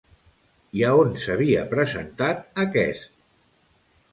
I a on s'havia presentat aquest?